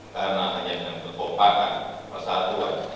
karena hanya dengan kekuatkan persatuan